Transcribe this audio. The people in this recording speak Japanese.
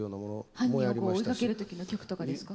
犯人を追いかける時の曲とかですか？